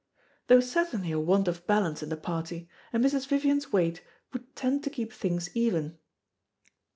There was certainly a want of balance in the party, and Mrs. Vivian's weight would tend to keep things even.